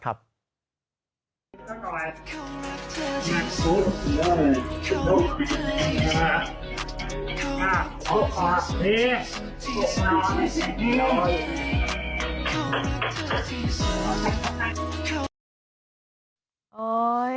สุ่มวิวไปถ่ายคลิปไว้ก่อน